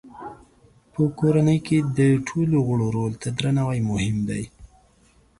په کورنۍ کې د ټولو غړو رول ته درناوی مهم دی.